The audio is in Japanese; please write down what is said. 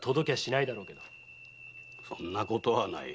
そんなことはない。